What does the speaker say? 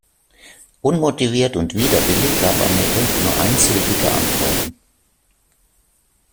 Unmotiviert und widerwillig gab Anette nur einsilbige Antworten.